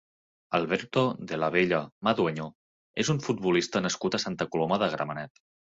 Alberto de la Bella Madueño és un futbolista nascut a Santa Coloma de Gramenet.